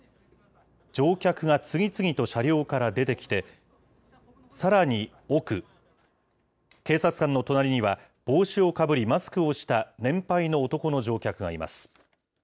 乗客が次々と車両から出てきて、さらに奥、警察官の隣には、帽子をかぶりマスクをした、年輩の男の乗客がいます。